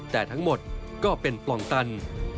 แต่ทั้งหมดก็เป็นปล่องตัน